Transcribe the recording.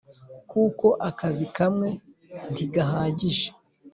kuko akazi kamwe ntigahagije.